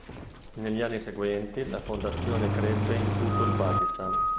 Negli anni seguenti, la fondazione crebbe in tutto il Pakistan.